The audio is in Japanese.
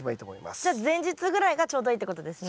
じゃあ前日ぐらいがちょうどいいってことですね。